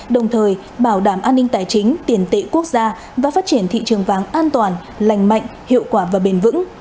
đồng thời bảo đảm an ninh tài chính tiền tệ quốc gia và phát triển thị trường vàng an toàn lành mạnh hiệu quả và bền vững